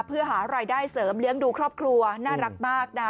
เพื่อหารายได้เสริมเลี้ยงดูครอบครัวน่ารักมากนะ